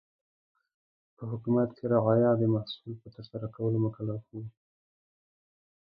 په حکومت کې رعایا د محصول په ترسره کولو مکلف و.